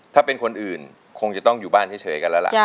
ถ้าเป็นคนอื่นคงจะต้องอยู่บ้านเฉยกันแล้วล่ะ